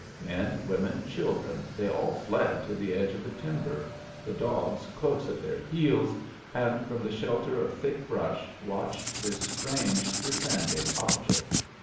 Men, women, children, they all fled to the edge of the timber, the dogs close at their heels, and from the shelter of thick brush watched this strange, descending object.